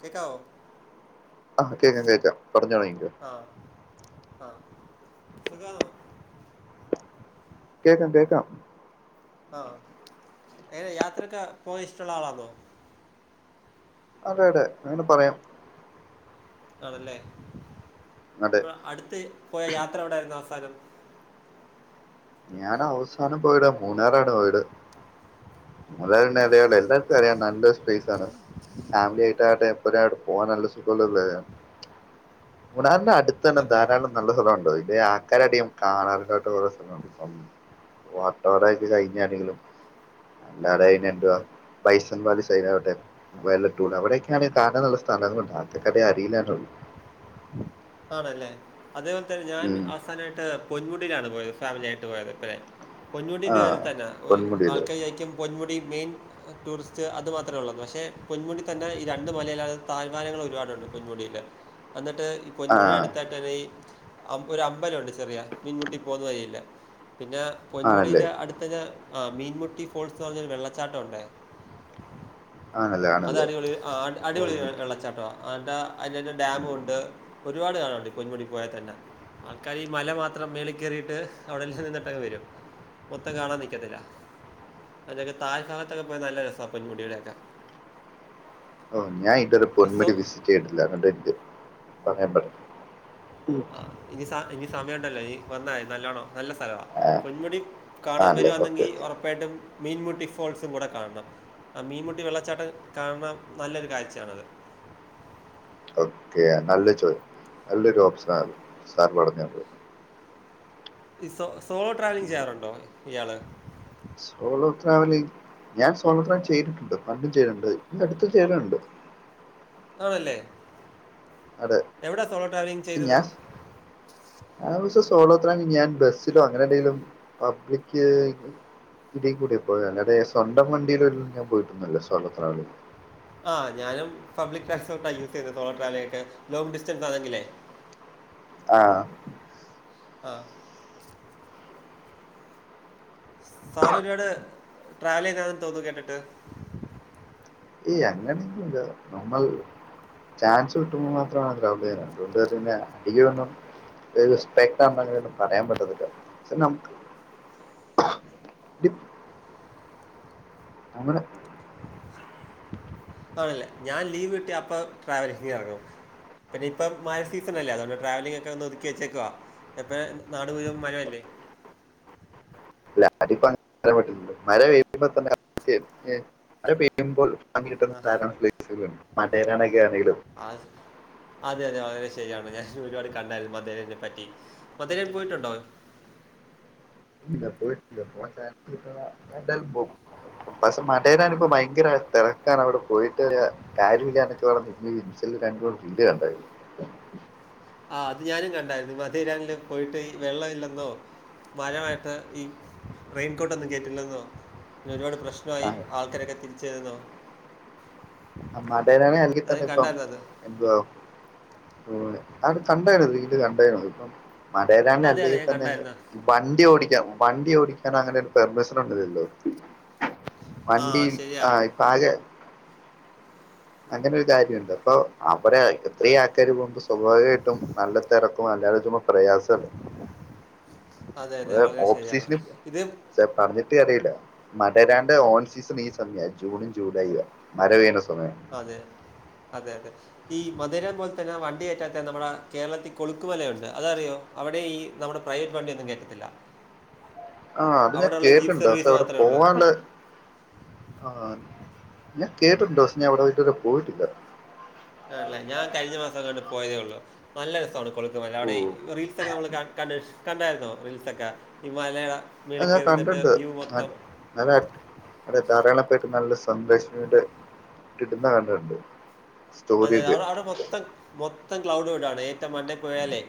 കേക്കാവോ ആഹ കേക്കാം കേക്കാം പറഞ്ഞു തുടങ്ങിക്കോ ആഹ് ആഹ് സുഖാണോ കേക്കാം കേക്കാം ആഹ് എങ്ങനെ യാത്ര ഒക്കെ പോകാൻ ഇഷ്ടമുള്ള ആളാണോ. അതെ അതെ അങ്ങനെ പറയാം ആണല്ലേ അതെ അടുത്ത് പോയ യാത്ര എവിടെ ആയിരുന്നു അവസാനം. ഞാൻ അവസാനംപോയത് മൂന്നാറാണ് പോയത്. [unintelligible] നല്ലൊരു പ്ലേസ് ആണ് ഫാമിലി ആയിട്ട് ആട്ടെഎപ്പോഴായാലും പോവാൻ നല്ല സുഖമുള്ള ഇവിടെ അടുത്തന്നെ അതെ അതെ ദാരാളം നല്ല സ്ഥലം ഉണ്ട് ആൾകാർ അധികം കാണാറില്ലാത്ത സ്ഥലം ഉണ്ട് [unintelligible] കഴിഞ്ഞ ആരെങ്കിലും എല്ലാതെ അവിടെ എന്തുവാ ബായ്സൺ വാലി [unintelligible] അവിടെ ഒക്കെ കാണാൻ നല്ല സ്ഥലം ഉണ്ട് ആൾകാർക്ക് അധികം അറിയില്ലന്നേയുള്ളു ആണല്ലേ.. അതേപോൽ തന്നെ ഞാൻ ഉം. അവസാനായിട്ട് പൊന്മുടിയിലാണ് പോയത്, ഫാമിലി ആയിട്ട് പോയത്. [unintelligible] ആ പൊന്മുടിഇതുപോലെ തന്നെയാ പൊന്മുടിയില് ആൾക്കാർ വിചാരിക്കും പൊന്മുടിമെയിൻ ടൂറിസ്റ്റ് അതു മാത്രേ ഉള്ളെന്നു. പക്ഷെ പൊന്മുടി തന്നെ ഈ രണ്ട് മലയിൽ താഴ്‌വാരങ്ങൾ ഒരുപാടുണ്ട് പൊന്മുടിയില് എന്നിട്ട് ആ പൊന്മുഡിയുടെ അടുത്തായിട്ട് ഈ ഒരു അമ്പലം ഉണ്ട് ചെറിയ മീൻമുട്ടി പോന്ന വഴിയിൽ പിന്നെ ആണല്ലേ പൊന്മുടിയുടെ അടുത്ത് മീൻമുട്ടി ഫാള്സ് എന്ന് പറഞ്ഞഒരു വെള്ളച്ചാട്ടം ഉണ്ടേ ആണല്ലേ അത് ആണല്ലേ അടിപൊളി ആ ഓ അടിപൊളിഒരു വെള്ളച്ചാട്ടമാണ് അതിനടുത് ആ. ഡാമും ഉണ്ട്. ഒരുപാട് കാണാനുണ്ട്. പൊന്മുടി പോയാൽ തന്നെ ആൾക്കാര് ഈ മല മാത്രം മേളികേറീട്ടു അവിടെനിന്നിട്ടങ്ങ് വരും മൊത്തം കാണാൻ നിക്കത്തില്ല അതിന്റെ താഴ് ഭാത്തൊക്കെ പോയാ നല്ല രസ പൊൻമുടിടെക്കെ ഓ ഞാൻ ഇതുരെ ഇസോ പൊന്മടി വിസിറ്റ് ചെയ്ട്ടില്ല. [unintelligible] ആ ഇനി ഇനി സമയം ഉണ്ടല്ലോ ഇനി വന്ന മതി. നല്ലോണം നല്ല സ്ഥലവാ പൊന്മുടി കാണാൻ ആണല്ലേ ഓക്കെ വരുവാന്നെങ്കിൽ ഓക്കെ ഉറപ്പായിട്ടും മീൻമുട്ടി ഫോൾസും കൂടെ കാണണം ആ മീൻമുട്ടി വെള്ളച്ചാട്ടം കാണണം നല്ലൊരു കാഴ്ചയാണത് ഓക്കെ നല്ല ചോയ് നല്ലൊരു ഓപ്ഷൻ ആത് സാർ പറഞ്ഞത് ഈ സോ സോളോ ഈ ട്രാവലിംഗ് ചെയ്യാറുണ്ടോ ഇയാള് സോളോ ട്രാവലി ഞാൻ സോളോ ട്രാവൽ ചെയ്തിട്ടുണ്ട് പണ്ടും ചെയ്തിട്ടുണ്ട് ഈ അടുത്തും ചെയ്ലുണ്ട് ആന്നല്ലേ അതെ ട്രാവലിംഗ് ചെയ്തത് ഞാൻ [unintelligible] ഞാൻ ബസ്സിലോ അങ്ങനെ എന്തേലും പബ്ലിക്ക് ഇതി കൂടി ഇപ്പോഴും അല്ലാതെ സ്വന്തം വണ്ടിയിലൊന്നും ഞാൻ പോയിട്ടന്നുമില്ല സോളോ ട്രാവൽ ആ ഞാനും പബ്ലിക് ട്രാസ്പോർട്ടാണ് യൂസ് ചെയ്യുന്നത് സോളോ ട്രാവലിനൊക്കെ ലോങ് ഡിറ്റൻസാണെങ്കിലേ [inaudible] ആ ആഹ് സാറൊരുവാട് ട്രാവൽചെയുന്നാന്ന് തോന്നുന്നു കേട്ടിട്ട് ഏയ് അങ്ങനന്നുല്ല നമ്മൾ ചാൻസ് കിട്ടുമ്പോൾമാത്രാണ് [unintelligible] [unintelligible] സ്പെയിത്താവുമ്പോ അങ്ങനെ ഒന്നും പറയാൻ പറ്റുന്നില്ല പക്ഷേ നമ്മുക്ക് [unintelligible] ആണല്ലേ ഞാൻ ലീവ് കിട്ടിയാ പ്പം ട്രാവലീഗിറങ്ങും പിന്നെ ഇപ്പോ മഴ സീസണല്ലേ അതുകൊണ്ട്ട്രാവലിംഗൊക്കെന്ന്‌ ഒതുക്കി വച്ചേക്കുവ എ പ്പ നാട് മുഴുവൻ മഴയല്ലേ [unintelligible] ആ [inaudible] ആസ് അതെ അതെ വളരെ ശരിയാണ് ഞാൻ ഒരുപാട് കണ്ടായിരുന്നു മധുരനെ പറ്റി മധുര പോയിട്ടുണ്ടോ ഇല്ല പോയിട്ടില്ല പോണം ചാൻസ് കിട്ടിയാ ഞാൻ എന്തലായും പോവും പക്ഷേ മടയിലാണ് ഇപ്പോ ഭയങ്കര തിരക്കാണ് അവിടെ പോയിട്ട് കാര്യമില്ല എനക്ക് [unintelligible] ആ് അത് ഞാനും കണ്ടായിരുന്നു മധുരൻല് പോയിട്ട് വെള്ളം ഇല്ലെന്നോ മഴവയത്തു ഈ റെയിൻകോടൊന്നും കേറ്റില്ലെന്നോ ഒരുവാട് പ്രശ് [unintelligible] ആൾക്കാരൊക്കെ തിരിച്ചു വരുന്നു അവന്മാരുടേതാണെങ്കി [unintelligible] എന്തുവാ അത് കണ്ടായിരുന്നു വീട് കണ്ടായിരുന്പ്പം അതെ മലേലാണ്അല്ലെൽ അതെ ഞാൻ തന്നെ കണ്ടായിരുന്നു വണ്ടി ഓടിക്കാം വണ്ടി ഓടിക്കാൻ അങ്ങനെ ഒരു പെർമിഷൻ ഒന്നുല്ലല്ലോ ആ വണ്ടി ശരിയാ ആഹ് ഇപ്പാകെ അങ്ങനെ ഒരു കാര്യണ്ട് അപ്പൊ അവടെ എത്രയാ അത്- കേറിപോമ്പം സ്വാഭാവിയായിട്ടും നല്ല തിരക്കും [unintelligible] പ്രയാസം അതെ അതെ വളരെ ശരിയാണ് ഇത് പറഞ്ഞിട്ട് അറിയില്ല മരെരാണ്ട്ഓൺ സീസൺ ഈ സമയ ജൂണും ജൂലൈലും മഴ പെയണ സമയം അതെ യതെ അതെ ഈ മധുരപോലെ തന്നെ വണ്ടികേ റ്റാത്ത നമ്മുടെ കേരളത്തിൽ കൊളുക്കുമല യുണ്ട് അതറിയോ അവിടെ ഈ നമ്മുടെ പ്രൈവറ്റ് വണ്ടി ഒന്നും കേറ്റത്തില്ല ആ അത് ഞാൻ കേട്ടിണ്ട് പക്ഷെ അവിടെ പോവാനുള്ള ആഹ് ഞാൻ കേട്ടിട്ടുണ്ട് ക്ഷേ ഞാൻ അവിടെ ഇതുവരെ പോയിട്ടില്ല ആല്ല ഞാൻ കഴിഞ്ഞ മാസംഅങ്ങോട്ട്‌പോയതേള്ളൂ നല്ല രസമാണ് കൊളുത്ത്മല ഓ അവിടെഈ റീൽസൊക്കെ നമ്മള് ക കണ്ട് കണ്ടായിരുന്നോ റീൽസൊക്കെ ഹിമാലയ അത് ഞാൻ കണ്ടിണ്ട് അത് അത്കണ്ട് അതെ ധരാളംപേർക്ക് നല്ലസന്ദേശമായിട്ട് കിട്ടുന്നകണ്ടിട്ടിണ്ട് അതെ അവിടെ അവിടെ മൊത്തം മൊത്തം ക്ലൗഡ്ടുട്അ ഏറ്റംമണ്ടേപോയലെ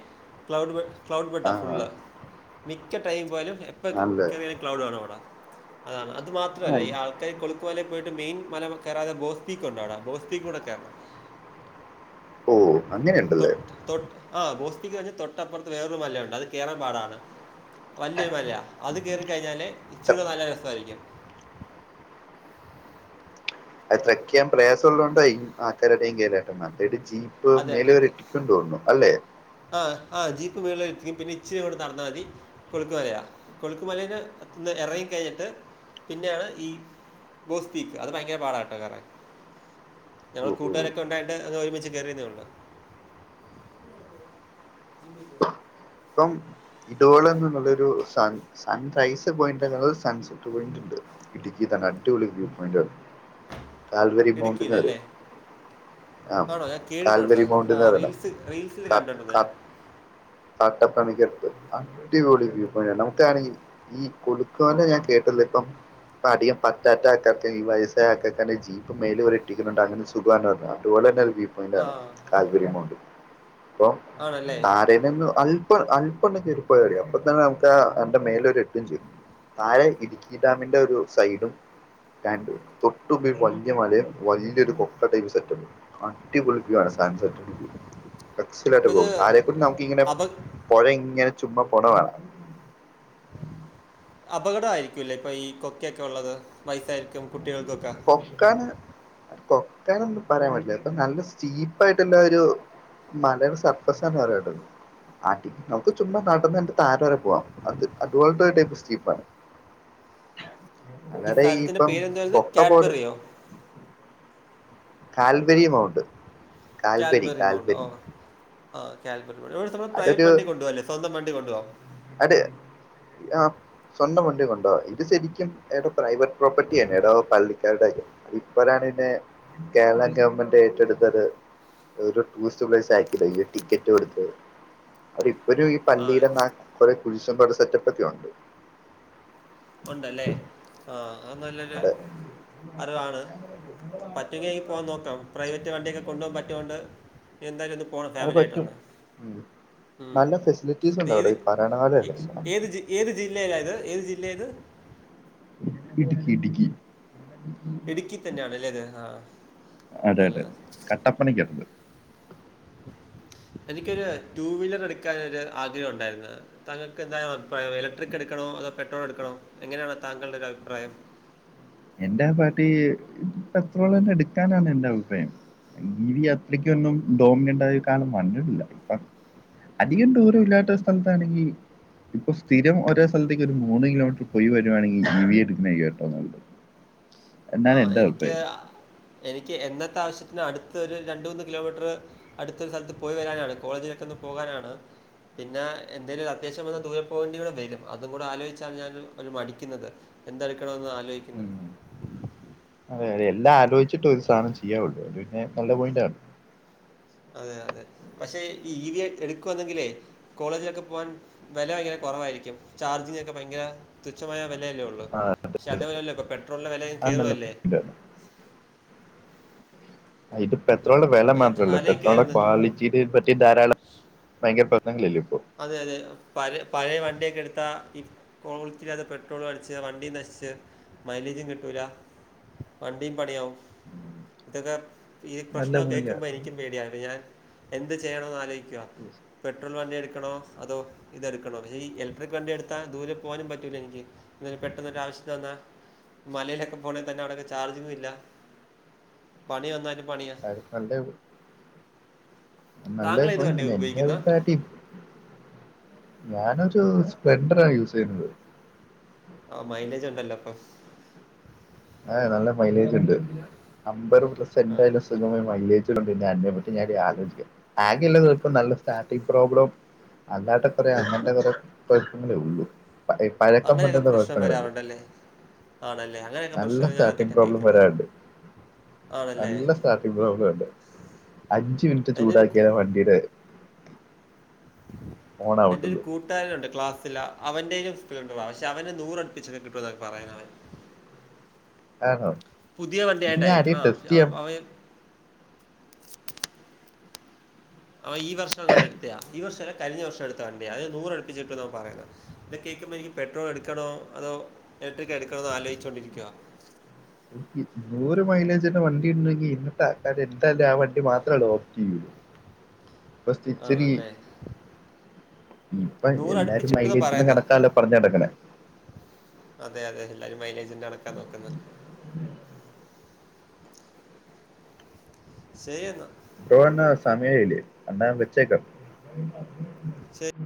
ക്ലൗഡ് ബഡ് ക്ലൗഡ് ആ ബഡാഫുള്ള് മിക്കടൈംപോയാലുംഎപ്പോകേ നല്ല കേറിയാലും ക്ലൗട് വേണവട അതാണ് അത് ആ, മാത്രമല്ല ഈ ഇ- ആൾ കൈകൊളുക്കുമലപോയിട്ട് മെയിൻ മലകേറാതെബോസ്റ്റിക്ക് ഒണ്ടാവിടെ ബോസ്റ്റിക്കൂടെകേറണം ഓ അങ്ങനെ ഉണ്ടല്ലേ തൊട്ട് തൊട്ട് ആ ഗോസ്തിക്ക് കഴിഞ്ഞ് തൊട്ടപ്പുറത്ത് വേറൊരു മലയൊണ്ട് അത്കേയറൻപാടാണ് വലിയൊരു മലയഅത് ഉം. ത്ര- കേറിക്കഴിഞാല്ഇച്ചിരിയുടെനല്ലരസആയിരിക്കും അത്ത്രക്ക്ചെയ്യാൻ പ്രയാസംള്ളതോണ്ട ഈ ആൾക്കാര് അധികംകേറാത്തെമറ്റേത് ജീ ഇപ്പ അതെ മേലവരെ ട്രക്ക് ഇട്ടിട്ടോന്നുതോന്നുന്നുഅല്ലെ ആ ആ ജീപ്പ്മെളെഎത്തിക്കും പിന്നെ ഇച്ചിരിഇങ്ങോട്ട്നടന്നാൽ മതി കൊളുക്കുമലയാ കൊളുക്കുമലെന്ന് ഇറങ്ങിക്കഴിഞ്ഞിട്ട് പിന്നെയാണ് ഈ ബോസ്പീക്ക് അത് ഭയങ്കര പാടാട്ടോ കേറാൻ ഞങ്ങൾ ഓ ഓ കൂട്ടുകാരൊക്കെ ഒണ്ടായിട്ട് ഞങ്ങൾ ഒരുമിച്ച് കേറിന്നെള്ളൂ ഇപ്പം ഇതോളന്നുള്ളൊരു സൺ സൺറൈസ് പോയിന്റ്എന്നുള്ളത് സൺസെറ്റ് പോയിന്റ്ണ്ട് ഇടുക്കിതന്നെ അടിപൊളി വ്യൂ പോയിന്റ് താൽവരി മൗണ്ട് എന്ന് വരും ഇടുക്കിയിലല്ലേ ആഹ് ആണോ ഞാൻ കേട്ടിട്ടുണ്ട് കാൽവരി ആ മൗണ്ട്എന്ന് പറയണം റീൽസ് റീൽസിൽ ക കണ്ടിട്ടുണ്ട് ക ഞാൻ തട്ടപ്പണക്ക് അടുത്ത് അടിപൊളിവ്യൂ നമുക്കാണെങ്കി ഈ കൊളുക്കുമല ഞാൻ കേട്ടല്ലോ ഇപ്പംഇപ്പ അധികം പറ്റാറ്റ ആക്കാർ ഈ വയസ്സായആക്കക്കെന്റെ ജീപ്പ് മേലിവരെ എട്ടിക്കുന്നുണ്ട് അങ്ങനെഒരുസുഖമാണ്ഒരുപാട് തന്നെഅതൊരുവിപോയിന്റ് ആ ആണ് താല്പര്യംമോണ്ട് അപ്പോ ആണല്ലേ താ അതെനിന്ന് അല്പ്പാ അല്പണ്ണംകേറി പോയമതി അപ്പതന്നെ നമ്മക്കാആയിന്റെമേലെ വരെ എന്തെയും ചെയ്യും താഴെ ഇടുക്കിഡാമിന്റെ ഒരു സൈഡും റ്റാൻടു തൊട്ടുമുമ്പി വലിയ മലയും വലിയൊരുകൊപ്പടൈപ്പ് സെറ്റും അടിപൊളി വ്യൂആണ് സാൻസെറ്റ് വ്യൂടെസ്റ്റ്‌ അപ്പോൾ ഇത് വരെപോകും താഴെക്കൂടെ നമുക്കിങ്ങെനെ അപ പുഴഇങ്ങനെചുമ്മപോണേകാണം അപകട ആയിരിക്കൂല്ലേ ഇപ്പൊ ഈ കൊക്കയൊക്കെ ഉള്ളത് വയസായിരിക്കും കൊക്കാ കൊക്കാനൊന്നുംപറയാൻപറ്റില്ലട്ടോ നല്ലസ്റ്റീപ്പ്‌ആയിട്ട്എന്തൊരു മലയുടെസർപ്പസാന്ന്പറയതൊള്ളൂ ആഹ് പടി നമുക്ക്ചുമ്മനടന്ന് അതിന്റെ താഴെവരെ പോവം അത് അതുപോലടൈപ്പ് സ്റ്റീപ്പാണ് [inaudible] അതടെ ഈ ഇപ്പം പേര് എന്തുവാരുന്ന് പൊക്ക പോട് ക്യാറ്റ്ബാറിയോ കാൽബരിമൗണ്ട് കാൽബറി മൗണ്ട് ഓ ആ കാൽബറി മൗണ്ട് ഇവിടെ സമം--സ്വന്തംവണ്ടി കൊണ്ടുപോകം അതെ ആഹ് സ്വന്തം വണ്ടി കൊണ്ടോകം ഇത് ശരിക്കും ഏതൊ പ്രൈവറ്റ് പ്രോപ്പർട്ടി ആണേതോപള്ളിക്കാരുടെ ആരോ ഇപ്പോഴാണ്ഇന്നെകേരളം ഗവൺമെന്റ് ഏറ്റെടുത്തത് ഒരു ടൂറിസ്റ്റ് പ്ലേസ് ആക്കിതാ ഈ ഒരുടിക്കറ്റ് കൊടുത്ത് അത് ഇപ്പൊര് ഈ ആ പല്ലീടെ ന്ന കൊറേ കുരിശും പ സെറ്റപ്പാെക്കെ ഒണ്ട് ഉണ്ടല്ലേ ആഹ് അത് നല്ലൊരു അവിടെ അറിവാണ് പറ്റുമെങ്കിൽ എനിക്ക് ഉണ്ട് എന്തായാലും ഒന്ന് പോണം അത് ഫാമിലിആയിട്ട് പറ്റും ഒന്ന് ഉം. നല്ല ഫെസിലിറ്റീസ് ഉണ്ട് മ്മ് ഇത് അവിടെ ഏത് ഈ ഭരണകാലമല്ലേ ഏത് ജീ ഏത് ജില്ലയിയില ഇത് ഏത് ജില്ല ഇത് ഇടുക്കി ഇടുക്കി ഇട്ക്കി തന്നെയാണ് ലേത് ആഹ് അതെ അതെ അതെ കട്ടപ്പനക്കടുത്ത് എനിക്കൊരു ടു വീലറെടുക്കാനൊരു ആഗ്രഹം ഉണ്ടായിരുന്നു താങ്കൾക്കെന്താണ് അഭിപ്രായം എലെട്രിക്കെട്ക്കണോ അതോ പെട്രോൾ എടുക്കണോ എങ്ങെനെയാണ് തങ്കൾടെ ഒരഭിപ്രായം എന്റെ ആ പാർട്ടി പത്രോളെന്നെട്ക്കാനാണ് എന്റെ അഭിപ്രായം ഇ വി അത്രയ്ക്കന്നും ഡോമിനന്റ് ആയ കാലം വന്നിട്ടില്ല ഇപ്പ അധികം ദൂരഇല്ലാത്ത സ്ഥലത്താണെങ്കി ഇപ്പം സ്ഥിരം ഓരോ സ്ഥൽത്തേക്ക് ഒരു മൂന്ന് കിലോമീറ്റർ പോയി വരു വാണെങ്കിൽ ഇവിഎ ടുക്കുന്നാ ഏറ്റ വും നല്ലത് ആ എന്നാണ് എന്റെ എനിക്യാ അഭിപ്രായം എനിക്ക് എന്നത്തെ ആവശ്യത്തിന അടുത്ത് ഒരു രണ്ട് മൂന്ന് കിലോമീറ്റർ അട്ത്തെ സ്ഥൽത്ത് പോയി വരാനാണ് കോളേജിലൊക്കൊന്ന് പോകാനാണ് പിന്നെ എന്തേലും അത്യാവശ്യം വന്ന ദൂരെ പോകേണ്ടി വെരും അതും കൂടെ ആലോയ്ച്ചാണ് ഞാന് മടിക്ക്ന്നത് എന്തടുക്കണമന്ന് ആലോചിക്കുന്ന എല്ലാം ആലോചിച്ചിട്ട് ഒരു സാനം ചെയ്യാൻപറ്റുള്ളൂ. അത് പിന്നെ നല്ല പോയിന്റാണ് അതെ അതെ പക്ഷെ ഈ ഇ വി ഐ എട്ക്കുവാന്നെങ്കിലേ കോളേജിലൊക്കെ പോകാൻ വെല ഭയങ്കര കൊറവായിരിക്കും. ചാർജിങ് ഒക്കെ ഭയങ്കര തുച്ഛമായ വെലയല്ലേ ഒള്ളൂ പാേ ക്ഷെ അതേപലെയല്ല ഇപ്പോ പെട്രോളിന്റെ വെല അങ്ങ് അത് നല്ല കേറുവല്ലേ പോയിന്റാണ്. ആഹ് ഇത് പെട്രോൾന്റെ വെല അപ്പൊ ഞാൻ മാത്രല്ല പെട്രോൾന്റെ ആലോചിക്കുവായിരുന്നു. ക്വാളി തി പറ്റി ധാരാളം ഭയങ്കര പ്രശ്നങ്ങളല്ലേ ഇപ്പൊ അതെ അതെ പഴെ പഴേ വണ്ട്യൊക്കെ എട്ത്താ ഈ കോളിറ്റില്ലാതെ പെട്രോളും അടിച്ച് വണ്ടിയും നശിച്ച് മൈലേജും കിട്ടൂലാ വണ്ടിം പണിയാവും ഇതൊക്കെ ഈ നല്ല പ്രശ്നം പോയിന്റാ കേൾക്കുമ്പോ എനിക്കും പേടിയായിരുന്നു. ഞാൻ എന്ത് ചെയ്യണമെന്ന് ആലോയിക്കുവ ഉം പെട്രോൾ വണ്ടി എടുക്കണോ, അതോ ഇതെടുക്കണോ, ഈ ഇലക്ട്രിക് വണ്ടി എടുത്താ ദൂരെ പോവാനും പറ്റൂല എനിക്ക് ന്തേലും പെട്ടെന്നൊരാവശ്യത്തിന് വന്നാ മലേലൊക്കെ പോകാണെ തന്നെ അവിടെ ഒക്കെ ചാർജിങ്ങും ഇല്ല പണി വന്നാലും പണിയ ആരെ കണ്ടേ പോയ് നല്ല താങ്കൾ ഇത് പോയന്റ് വണ്ടി തന്നെ ഉപയോഗിക്കുന്ന എനിക്കി [unintelligible] ട്ടീ ഞാനൊരു സ്പ്ലെൻഡറാണ് യൂസ് ചെയ്യുന്നത് ആ മൈലേജുണ്ടല്ലോ അപ്പൊ ഏ നല്ല മൈലേജ്ണ്ട്. അമ്പറു [unintelligible] ആ [unintelligible] മൈലേജ് പിന്നെ അതിനെ പറ്റി ഞാൻ ആലോചിക്ക, ആകെ ഇല്ലത്ഇപ്പം നല്ല സ്റ്റാർട്ടിങ് പ്രോബ്ലും അല്ലാട്ട കുറെേ അങ്ങന്റെ കുറെ കുഴപ്പങ്ങളേ ഉള്ളു പഴക്കം അങ്ങനെയൊക്കെ പറ്റത്തെ പ്രശ്നം കുഴപ്പങ്ങളല്ല വരാറുണ്ടല്ലേ ആണല്ലേ അങ്ങനെയൊക്കെ നല്ല പ്രശ്നം ഞാൻ സ്റ്റാർട്ടിങ് ആദ്യമായിട്ടാണ് പ്രോബ്ലം കേൾക്കുന്നത് വരാണ്ട് ആണല്ലേ നല്ല സ്റ്റാർട്ടിങ് പ്രോബ്ലോണ്ട് അഞ്ചു മിനിറ്റ് അതിൻ്റെ ഒരു ചൂടാക്കിയാല വണ്ടീടെ ഓൺ എന്റെ ഒരു ആവത്തുള്ളൂ കൂട്ട് കൂട്ട്കാരനുണ്ട് ക്ലാസ്ൽ അവന്റെേലും സു പക്ഷെ അവന് നൂറ് അടുപ്പിച്ചൊക്കെ കിട്ടും എന്നൊക്കെ പറയാണ് അവൻ ആഹ് ഹോ പുതിയ വണ്ടിയായോണ്ടായിരിക്കും അവ [unintelligible] അവൻ ഈവർഷം കാണ്ട് എടുത്തയാ ഈ വർഷല്ല കഴിഞ്ഞ വർഷം എടുത്ത വണ്ടിയി അന് നൂറ് അടുപ്പിച്ച് കിട്ടുന്നാ പറയുന്നത് ഇത് കേൾക്കുമ്പോൾ എനിക്ക് പെട്രോൾ എടുക്കണോ അതോ ഇലക്ട്രിക്ക് എടുക്കണോന്ന് ആലോചിച്ചോണ്ടിരിക്കുവാ ഈ നൂറ് മൈലേജിന്റെ വണ്ടി ഉണ്ടെങ്കി ഇന്നത്തെ ആൾക്കാര് എന്തായാലും ആ വണ്ടി മാത്രല്ലേ ഓപ്റ്റ് ചെയ്യൂ പസ്റ്റീച്ചരി ആണല്ലേ ഇപ്പൊ നൂറടുപ്പിച്ച് എല്ലാരും കിട്ടുമെന്ന് മൈലേജിന്റെ പറയുന്നത് കണക്കാല്ലോ പറഞ് നടക്കണേ അതെ അതെ എല്ലാരും മൈലേജിന്റെ കണക്കാ നോക്കുന്നത് സെരി എന്നാ ഡോനൊ സമയായില്ലേ എന്നാ വെച്ചേക്കാം. [unintelligible] ശേ